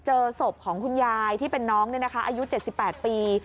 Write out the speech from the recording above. เจอสบของคุณยายที่เป็นน้องเนี่ยนะคะอายุ๗๘ปี